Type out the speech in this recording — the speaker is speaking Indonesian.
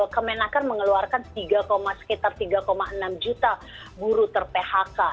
kemenakan mengeluarkan sekitar tiga enam juta buruh ter phk